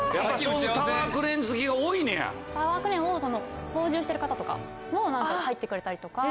タワークレーン好きが多いねや？とかも入ってくれたりとか。